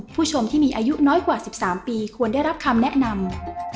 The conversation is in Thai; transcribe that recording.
ผู้ชมที่มีอายุน้อยกว่า๑๓ปีควรได้รับคำแนะนำ